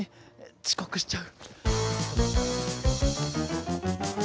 遅刻しちゃう！